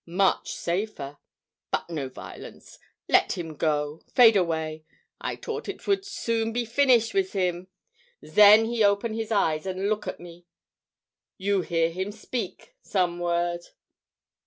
Much safer. But no violence. Let him go fade away. I tought it would soon be finished wiz him. Zen he open his eyes and look at me. You hear him speak some word."